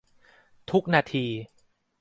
ทุกนาที